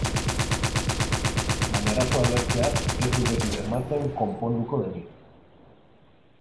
Baina arazoa ulertzeak ez du beti bermatzen konponduko denik.